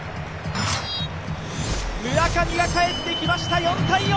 村上が帰ってきました、４−４。